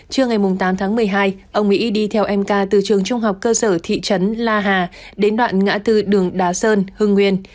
trưa ngày tám tháng một mươi hai ông mỹ đi theo em ca từ trường trung học cơ sở thị trấn la hà đến đoạn ngã tư đường đá sơn hương nguyên